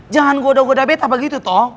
jangan goda goda beda begitu toh